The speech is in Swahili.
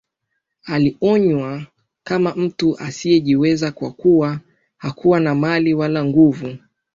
Alionwa kama mtu asiyejiweza kwa kuwa hakuwa na mali wala nguvu